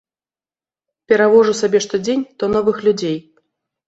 Перавожу сабе што дзень, то новых людзей.